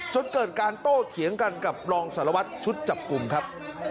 จนเกิดการโต้เถียงกันกับรองสารวัตรชุดจับกลุ่มครับ